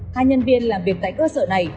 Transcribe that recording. hai nhân viên làm việc tại cơ sở này